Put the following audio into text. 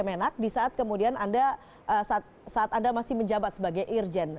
kemenang di saat kemudian anda masih menjabat sebagai irjen